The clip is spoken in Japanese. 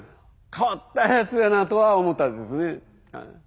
変わったやつやなとは思ったですねはい。